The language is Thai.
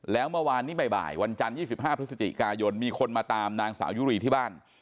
แล้วเมื่อวานนี้บ่ายวันจันทร์๒๕พฤศจิกายนมีคนมาตามนางสาวยุรีที่บ้าน